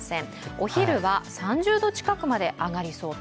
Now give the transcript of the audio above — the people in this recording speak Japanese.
お昼は３０度近くまで上がりそうと。